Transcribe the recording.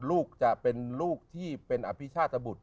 ลูกจะเป็นลูกที่เป็นอภิชาตบุตร